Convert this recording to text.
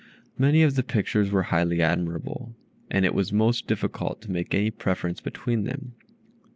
Many of the pictures were highly admirable, and it was most difficult to make any preference between them.